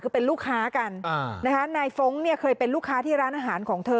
คือเป็นลูกค้ากันนะคะนายฟ้องเนี่ยเคยเป็นลูกค้าที่ร้านอาหารของเธอ